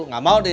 gak mau di tujuh